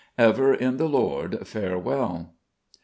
Ever in the Lord. Farewell."